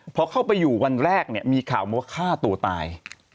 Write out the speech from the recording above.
พอเข้าไปอยู่วันแรกเนี่ยมีข่าวมาว่าฆ่าตัวตาย